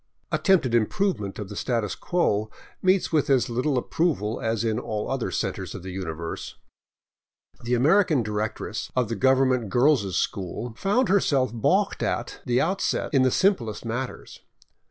Attempted improvement of the status quo meets with as Httle ap proval as in all other centers of the universe. The American directress of the government girls' school found herself balked at the outset in the simplest matters.